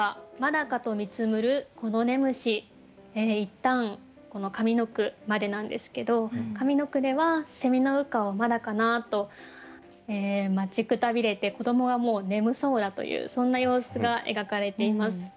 いったんこの上の句までなんですけど上の句ではの羽化はまだかなと待ちくたびれて子どもはもう眠そうだというそんな様子が描かれています。